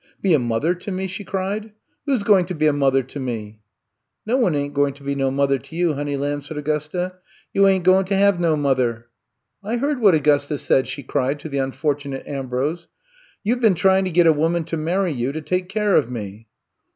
Be a mother to mel*' she cried. Who 's going to be a mother to met'* No one ain't goin' to be no mother to you, honey lamb,'' said Augusta. You ain't goin' to have no mother." I heard what Augusta said," she cried to the unfortunate Ambrose. You 've been trying to get a woman to marry you to take care of me.